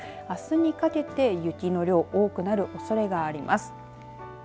あすにかけて雪の量多くなるおそれがあります。